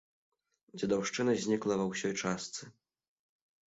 Дзедаўшчына знікла ва ўсёй частцы.